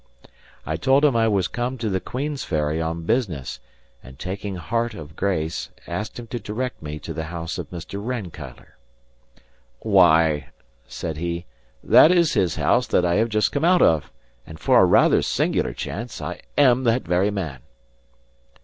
* Newly rough cast. I told him I was come to the Queensferry on business, and taking heart of grace, asked him to direct me to the house of Mr. Rankeillor. "Why," said he, "that is his house that I have just come out of; and for a rather singular chance, I am that very man."